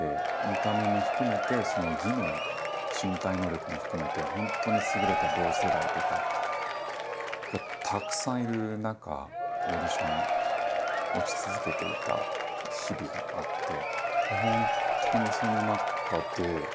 見た目も含めて技能身体能力も含めて本当に優れた同世代とかがたくさんいる中オーディション落ち続けていた日々があって。